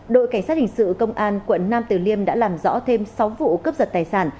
đội cảnh sát hình sự công an quận nam tử liêm đã làm rõ thêm sáu vụ cướp giật tài sản